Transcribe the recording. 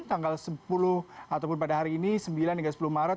tanggal sepuluh ataupun pada hari ini sembilan hingga sepuluh maret